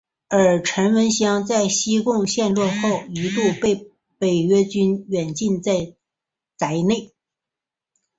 而陈文香在西贡陷落后一度被北越军软禁在宅内。